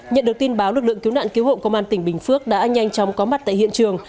nhận được tin báo lực lượng cứu nạn cứu hộ công an tỉnh bình phước đã nhanh chóng có mặt tại hiện trường